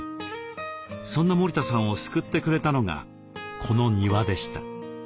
そんな森田さんを救ってくれたのがこの庭でした。